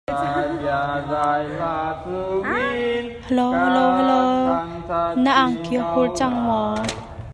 Na angki a hul cang maw?